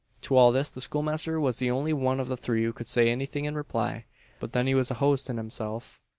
To all this the schoolmaster was the only one of the three who could say anything in reply; but then he was a host in himself.